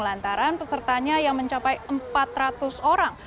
lantaran pesertanya yang mencapai empat ratus orang